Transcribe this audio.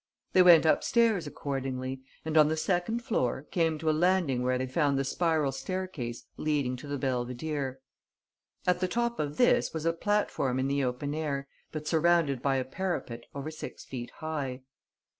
They went upstairs accordingly, and, on the second floor, came to a landing where they found the spiral staircase leading to the belvedere. At the top of this was a platform in the open air, but surrounded by a parapet over six feet high.